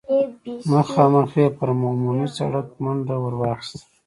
مخامخ يې پر عمومي سړک منډه ور واخيسته.